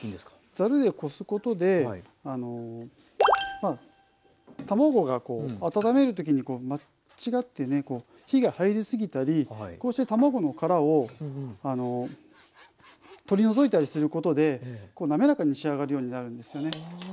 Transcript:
ざるでこすことで卵が温めるときに間違ってね火が入り過ぎたりこうして卵の殻を取り除いたりすることでなめらかに仕上がるようになるんですよね。